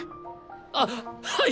あっはい！